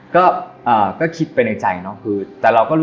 ก็คิดไปในใจเนาะ